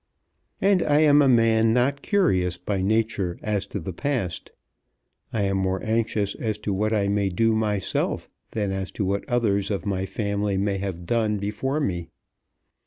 And I am a man not curious by nature as to the past. I am more anxious as to what I may do myself than as to what others of my family may have done before me.